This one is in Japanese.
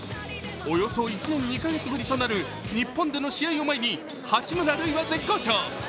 およそ１年２か月ぶりとなる日本での試合を前に八村塁は絶好調。